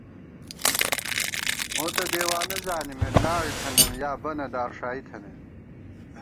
موتہ دیوانہ زانِمېت لاڑ تھنَئیم، یا بَنہ دارݭائی تھنَئیم